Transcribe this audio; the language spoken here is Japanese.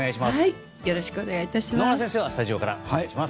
よろしくお願いします。